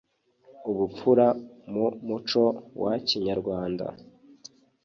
ubupfura mu muco wa kinyarwanda